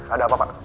ada apa pak